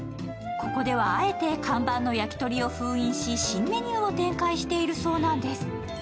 ここではあえて焼き鳥の看板を封印し、新メニューを展開しているそうなんです。